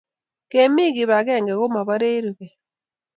kemi kip akeng'eng'e ko maparech rubet